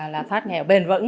là thoát nghèo bền vững